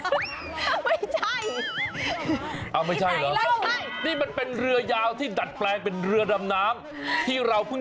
คือบางลำเนี่ยเขาแข่งกันสนุกสนานเพลินมากไปหน่อย